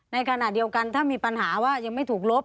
ในขณะเดียวกันถ้ามีปัญหาว่ายังไม่ถูกลบ